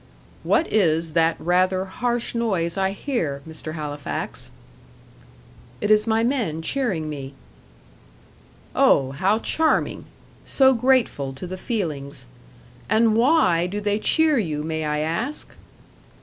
"What is that rather harsh noise I hear, Mr. Halifax?" "It is my men cheering me." "Oh, how charming! so grateful to the feelings. And WHY do they cheer you, may I ask?"